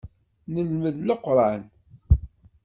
Nelmed Leqran.